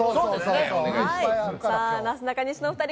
なすなかにしのお二人